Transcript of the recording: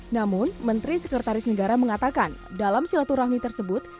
namun menteri sekretaris negara mengatakan dalam silaturahmi tersebut